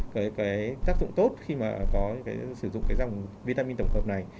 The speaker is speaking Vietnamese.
cái tác dụng tốt khi mà có cái sử dụng cái dòng vitamin tổng hợp này